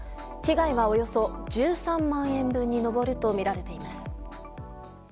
被害はおよそ１３万円分に上るとみられています。